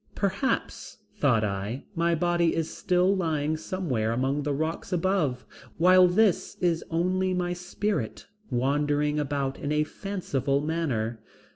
Perhaps, thought I, my body is still lying somewhere among the rocks above while this is only my spirit wandering about in a fanciful manner.